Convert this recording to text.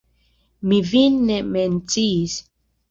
Mi vin ne menciis.